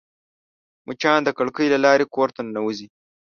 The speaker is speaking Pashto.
مچان د کړکۍ له لارې کور ته ننوزي